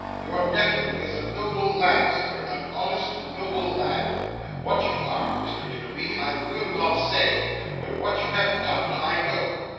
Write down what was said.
Your nephew is a noble lad, sir, an honest, noble lad. What you are, Mr. Nickleby, I will not say; but what you have done, I know.